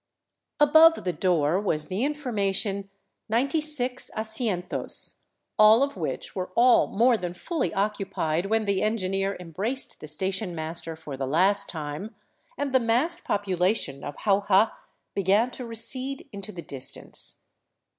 Above the door was the information, "96 asientos," all of which were all more than fully occupied when the engineer embraced the station master for the last time and the massed population of Jauja began to recede into the distance.